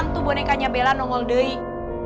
hantu bonekanya bella nongol deh